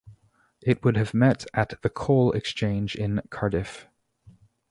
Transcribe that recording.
It would have met at the Coal Exchange in Cardiff.